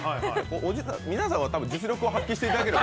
皆さんは多分、実力を発揮していただければ。